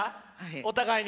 お互いに？